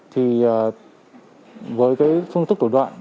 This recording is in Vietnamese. thì với cái phương thức tổ đoạn